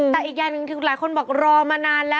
แต่อีกอย่างหนึ่งถึงหลายคนบอกรอมานานแล้ว